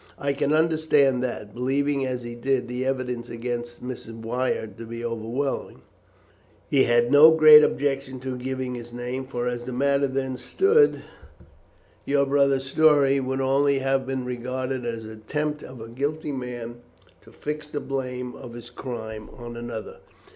I can understand that, believing, as he did, the evidence against Mr. Wyatt to be overwhelming, he had no great objection to his giving his name; for, as the matter then stood, your brother's story would only have been regarded as the attempt of a guilty man to fix the blame of his crime on another.